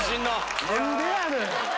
何でやねん！